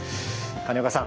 金岡さん